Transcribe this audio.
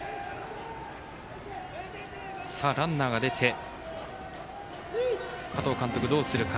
ランナーが出て加藤監督どうするか。